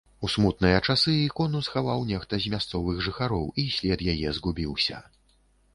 У смутныя часы ікону схаваў нехта з мясцовых жыхароў і след яе згубіўся.